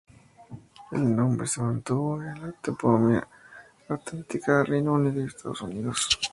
El nombre se mantuvo en la toponimia antártica de Reino Unido y Estados Unidos.